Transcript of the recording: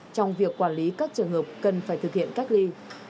trong việc quản lý các trường hợp cần phải thực hiện cách ly